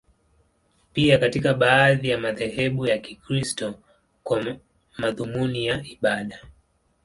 Pia katika baadhi ya madhehebu ya Kikristo, kwa madhumuni ya ibada.